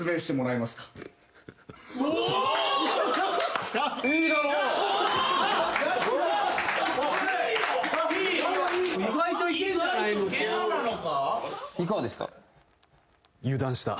いかがですか？